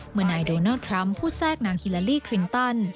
นายโดนัลด์ทรัมป์ผู้แทรกนางฮิลาลีคลินตัน